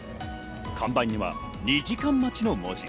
看板には２時間待ちの文字。